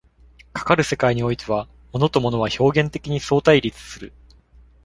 かかる世界においては、物と物は表現的に相対立する。